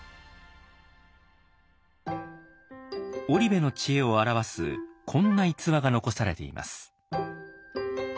織部の知恵を表すこんな逸話が残されています。